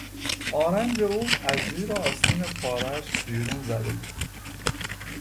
آرنج او از زیر آستین پارهاش بیرون زده بود.